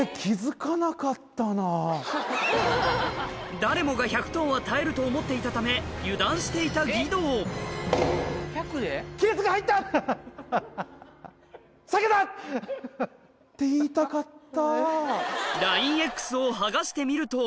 誰もが１００ｔは耐えると思っていたため油断していた義堂って言いたかった。